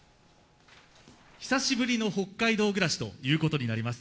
久しぶりの北海道暮らしということになります。